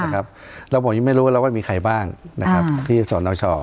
แล้วผมยังไม่รู้ว่าเราก็มีใครบ้างที่สนช